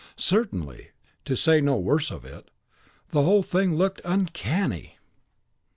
Certainly, to say no worse of it, the whole thing looked UNCANNY!